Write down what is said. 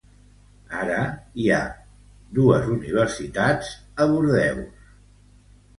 Ara, hi ha dos universitats a Bordeus.